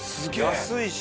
安いし。